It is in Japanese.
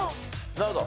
なるほど。